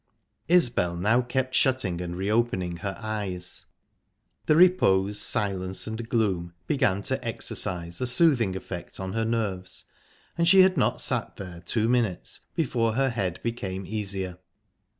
Isbel now kept shutting and reopening her eyes. The repose, silence, and gloom began to exercise a soothing effect on her nerves, and she had not sat there two minutes before her head became easier.